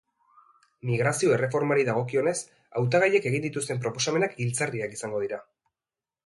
Migrazio erreformari dagokionez hautagaiek egin dituzten proposamenak giltzarriak izango dira.